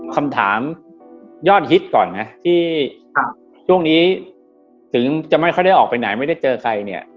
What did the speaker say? คำถามยอดฮิตก่อนนะที่ช่วงนี้ถึงจะไม่ค่อยได้ออกไปไหนไม่ได้เจอใครเนี่ย